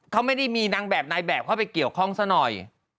เขาไม่ได้มีนางแบบนายแบบเข้าไปเกี่ยวข้องซะหน่อย